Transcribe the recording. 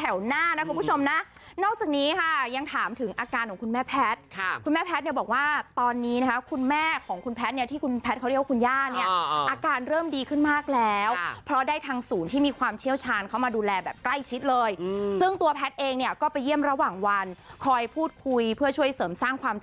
แถวหน้านะคุณผู้ชมนะนอกจากนี้ค่ะยังถามถึงอาการของคุณแม่แพทย์คุณแม่แพทย์เนี่ยบอกว่าตอนนี้นะคะคุณแม่ของคุณแพทย์เนี่ยที่คุณแพทย์เขาเรียกว่าคุณย่าเนี่ยอาการเริ่มดีขึ้นมากแล้วเพราะได้ทางศูนย์ที่มีความเชี่ยวชาญเข้ามาดูแลแบบใกล้ชิดเลยซึ่งตัวแพทย์เองเนี่ยก็ไปเยี่ยมระหว่างวันคอยพูดคุยเพื่อช่วยเสริมสร้างความ